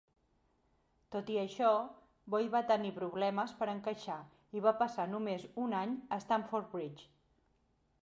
Tot i això, Boyd va tenir problemes per encaixar i va passar només un any a Stamford Bridge.